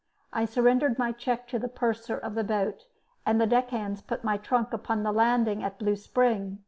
I surrendered my check to the purser of the boat, and the deck hands put my trunk upon the landing at Blue Spring.